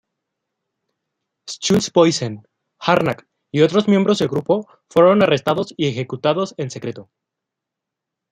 Schulze-Boysen, Harnack y otros miembros del grupo fueron arrestados y ejecutados en secreto.